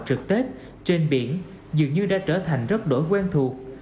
trực tết trên biển dường như đã trở thành rất đổi quen thuộc